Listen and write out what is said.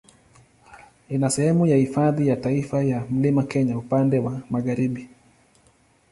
Ina sehemu ya Hifadhi ya Taifa ya Mlima Kenya upande wa magharibi.